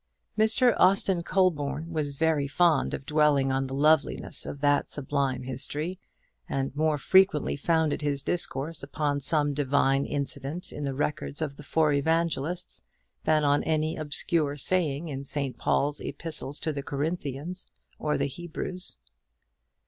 Mr. Austin Colborne was very fond of dwelling on the loveliness of that sublime history, and more frequently founded his discourse upon some divine incident in the records of the four Evangelists than on any obscure saying in St. Paul's Epistles to the Corinthians or the Hebrews.